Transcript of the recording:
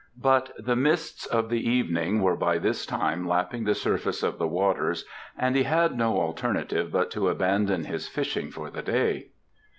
But the mists of the evening were by this time lapping the surface of the waters and he had no alternative but to abandon his fishing for the day.